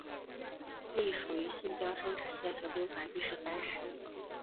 隶属于新疆生产建设兵团第十三师。